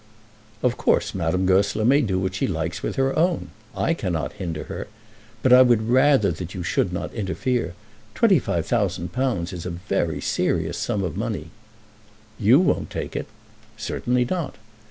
"Of course Madame Goesler may do what she likes with her own. I cannot hinder her. But I would rather that you should not interfere. Twenty five thousand pounds is a very serious sum of money." "You won't take it." "Certainly not."